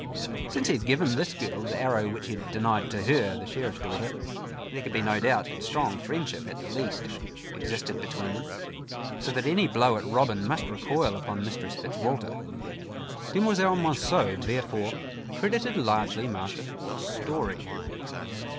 Since he had given this girl the arrow which he had denied to her, the Sheriff's daughter, there could be no doubt that strong friendship, at the least, existed between them, so that any blow at Robin must recoil upon Mistress Fitzwalter. Demoiselle Monceux therefore credited largely Master Ford's story.